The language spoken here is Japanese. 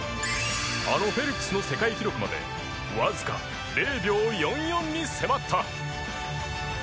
あのフェルプスの世界記録までわずか０秒４４に迫った。